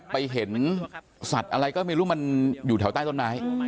ไปเห็นสัตว์อะไรก็ไม่รู้มันอยู่แถวใต้ต้นไม้